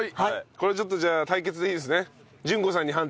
これちょっとじゃあ対決でいいですね？